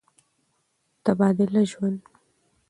تبادله ژوند دی.